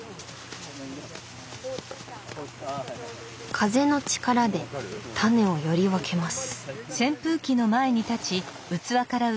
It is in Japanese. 風の力でタネをより分けます。